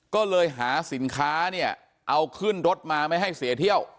ก็เลยหาสินค้าเนี่ยเอาขึ้นรถมาไม่ให้เสียเที่ยว